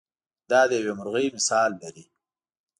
دا د یوې مرغۍ مثال لري.